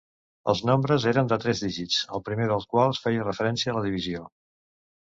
Els nombres eren de tres dígits, el primer dels quals feia referència a la divisió.